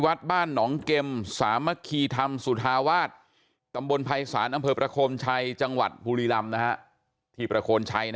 วัดบ้านหนองเกมสามัคคีธรรมสุธาวาสตำบลภัยศาลอำเภอประคมชัยจังหวัดบุรีรำที่ประโคนชัย